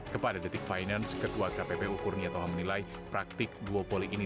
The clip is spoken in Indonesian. kepada detik finance ketua kppu kurnia toha menilai praktik duopoly ini